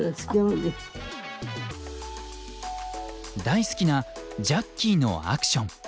大好きな「ジャッキーのアクション」。